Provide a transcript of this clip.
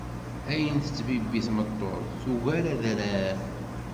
Ayen tettbibbi tmeṭṭut tugar adrar.